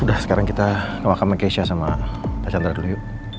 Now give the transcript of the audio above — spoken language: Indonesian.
udah sekarang kita ke makam keisha sama tachandra dulu yuk